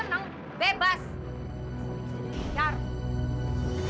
mungkin liat kami prost avatar uh